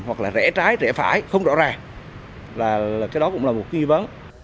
hoặc là rẽ trái rẽ phải không rõ ràng là cái đó cũng là một nghi vấn